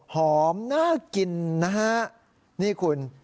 น่ากินนะฮะนี่คุณ